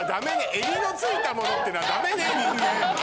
襟の付いたものってのはダメね人間。